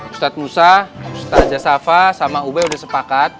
ustadz nusa ustadz jasafa sama ube udah sepakat